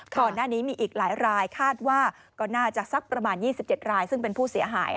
ก่อนหน้านี้มีอีกหลายรายคาดว่าก็น่าจะสักประมาณ๒๗รายซึ่งเป็นผู้เสียหาย